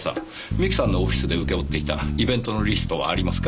三木さんのオフィスで請け負っていたイベントのリストはありますか？